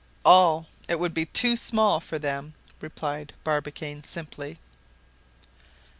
"All! It would be too small for them," replied Barbicane simply.